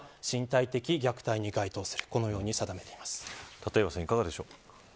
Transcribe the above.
立岩さんいかがでしょう。